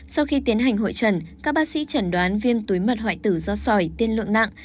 sau khi tiến hành hội trần các bác sĩ chẩn đoán viêm túi mật hoại tử do sỏi tiên lượng nặng